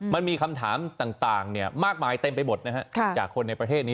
มันมีคำถามต่างมากมายเต็มไปหมดนะฮะจากคนในประเทศนี้